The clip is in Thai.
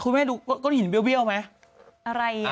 แม่ดูก้อนหินเบี้ยวไหม